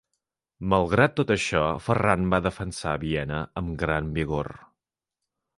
Malgrat tot això, Ferran va defensar Viena amb gran vigor.